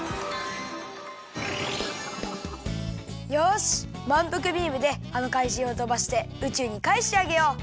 よしまんぷくビームであのかいじんをとばして宇宙にかえしてあげよう！